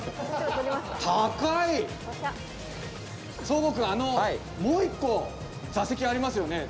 壮吾君もう一個座席ありますよね？